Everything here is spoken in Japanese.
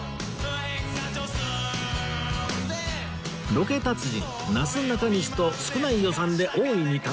ロケ達人なすなかにしと少ない予算で大いに楽しむ旅